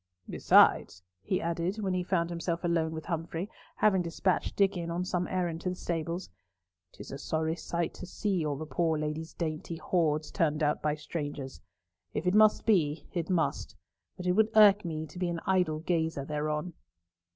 "Besides," he added, when he found himself alone with Humfrey, having despatched Diccon on some errand to the stables, "'tis a sorry sight to see all the poor Lady's dainty hoards turned out by strangers. If it must be, it must, but it would irk me to be an idle gazer thereon."